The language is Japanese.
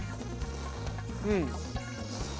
うん。